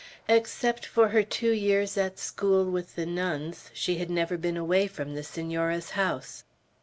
Except for her two years at school with the nuns, she had never been away from the Senora's house.